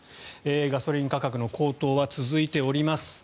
ガソリン価格の高騰は続いております。